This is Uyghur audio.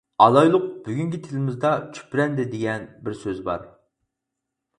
ئالايلۇق، بۈگۈنكى تىلىمىزدا «چۈپرەندە» دېگەن بىر سۆز بار.